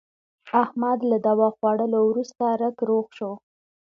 احمد له دوا خوړلو ورسته رک روغ شو.